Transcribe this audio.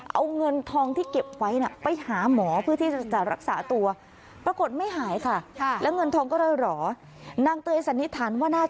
เอาเงินทองที่เก็บไว้ไปหาหมอเพื่อที่จะรักษาตัว